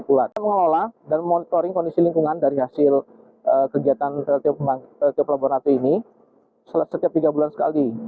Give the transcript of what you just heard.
kita mengelola dan monitoring kondisi lingkungan dari hasil kegiatan pltu pelabuhan ratu ini setiap tiga bulan sekali